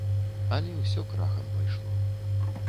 Але ўсё крахам пайшло.